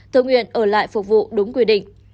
tự nguyện ở lại phục vụ đúng quy định